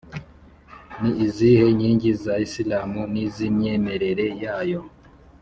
ni izihe nkingi za isilamu n’iz’imyemerere yayo?